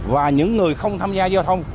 và những người không tham gia giao thông